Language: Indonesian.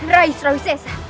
rai srawi sesa